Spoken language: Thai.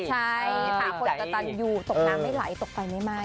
ใช่หาคนกระตันอยู่ตกน้ำไม่ไหลตกไฟไม่ไหม้